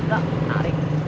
weh ocak ntarik